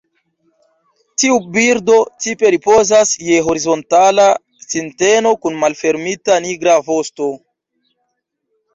Tiu birdo tipe ripozas je horizontala sinteno kun malfermita nigra vosto.